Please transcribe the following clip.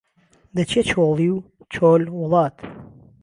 دهچیه چۆڵی و چۆل وڵات